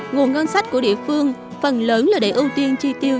nguồn ngân sách của địa phương phần lớn là để ưu tiên chi tiêu